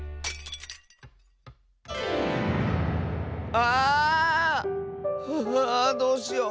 ああどうしよう。